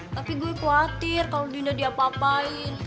tapi gue khawatir kalau dinda diapa apain